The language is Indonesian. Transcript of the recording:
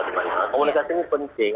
komunikasi ini penting